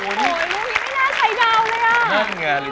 ไม่น่าใครดาวเลยอะ